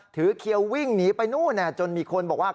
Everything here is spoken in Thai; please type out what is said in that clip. เขียววิ่งหนีไปนู่นจนมีคนบอกว่า